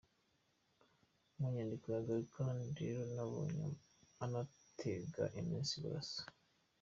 Mu nyandiko ya Gallican rero nabonye anatega iminsi Burasa.